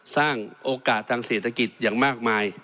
สร้างโอกาสทางเศรษฐกิจอย่างมากมาย